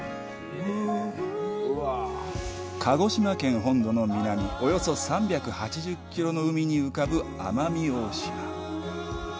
鹿児島県本土の南およそ３８０キロの海に浮かぶ奄美大島。